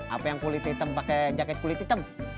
apa yang kulit hitam pakai jaket kulit hitam